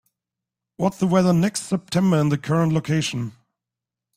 What's the weather next september in the current location?